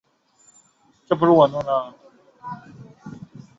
是香港银河卫视拥有的一条娱乐频道。